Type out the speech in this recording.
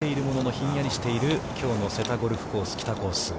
日差しは出ているものの、ひんやりしているきょうの瀬田ゴルフコース・北コース。